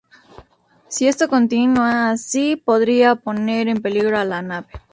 Si esto continua así podría poner en peligro a la nave.